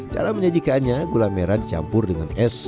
cara menyajikannya gula merah dicampur dengan es